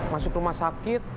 masuk rumah sakit